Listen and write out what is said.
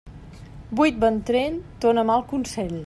Buit ventrell dóna mal consell.